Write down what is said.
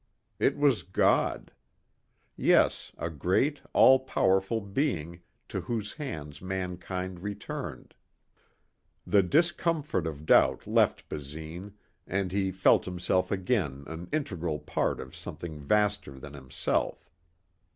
It was God. Yes, a great all powerful Being to whose hands mankind returned. The discomfort of doubt left Basine and he felt himself again an integral part of something vaster than himself.